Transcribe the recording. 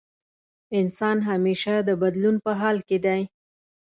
انسان همېشه د بدلون په حال کې دی.